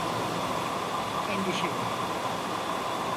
Endişeliyim.